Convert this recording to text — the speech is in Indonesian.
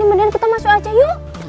mudah mudahan kita masuk aja yuk